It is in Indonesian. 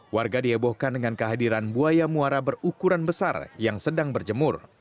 warga diebohkan dengan kehadiran buaya muara berukuran besar yang sedang berjemur